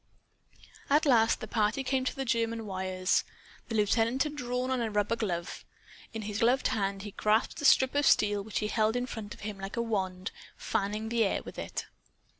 At last the party came to the German wires. The lieutenant had drawn on a rubber glove. In his gloved hand he grasped a strip of steel which he held in front of him, like a wand, fanning the air with it.